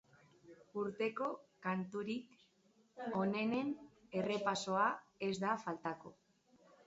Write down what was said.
Urteko kanturik onenen errepasoa ez da faltako.